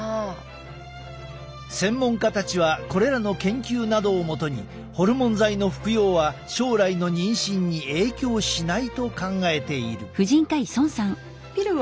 専門家たちはこれらの研究などを基にホルモン剤の服用は将来の妊娠に影響しないと考えている。